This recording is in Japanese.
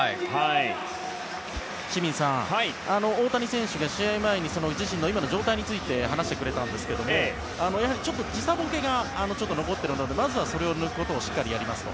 清水さん、大谷選手が試合前に自身の今の状態について話してくれたんですがやはりちょっと時差ボケが残っているのでまずはそれを抜くことをしっかりやりますと。